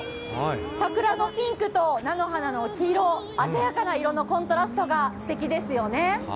桜のピンクと菜の花の黄色、鮮やかな色のコントラストがすてきですよね。